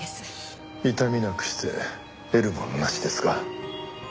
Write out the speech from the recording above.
「痛みなくして得るものなし」ですか。